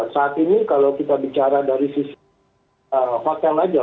saat ini kalau kita bicara dari sisi fakta aja